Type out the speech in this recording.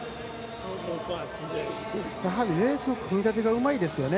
やはりレースの組み立てがうまいですよね。